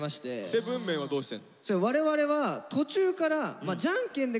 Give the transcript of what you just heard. ７ＭＥＮはどうしてるの？